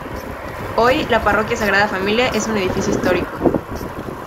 Hoy, la Parroquia Sagrada Familia es un edificio histórico.